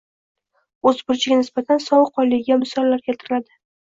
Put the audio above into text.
o'z burchiga nisbatan sovuqqonligiga misollar keltiradi.